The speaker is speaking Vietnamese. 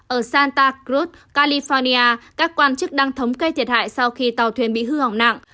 ở santa crut california các quan chức đang thống kê thiệt hại sau khi tàu thuyền bị hư hỏng nặng